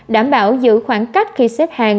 đảm bảo giữ khoảng cách khi xếp hàng